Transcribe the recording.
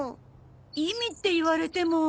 意味って言われても。